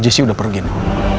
jaycee udah pergi noh